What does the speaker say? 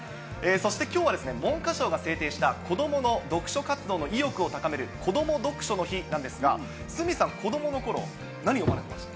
そしてきょうは、文科省が制定した子どもの読書活動の意欲を高める、子ども読書の日なんですが、鷲見さん、子どものころ、何読まれてました？